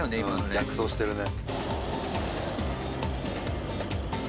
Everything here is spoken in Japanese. うん逆走してるね。